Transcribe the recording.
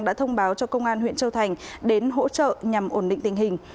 đã thông báo cho công an huyện châu thành đến hỗ trợ nhằm ổn định tình hình